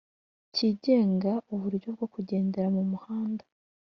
kigenga uburyo bwo kugendera mu muhanda